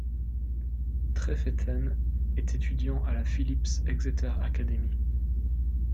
Trefethen est étudiant à la Phillips Exeter Academy.